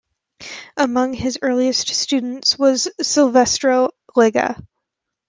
Among his earliest students was Silvestro Lega.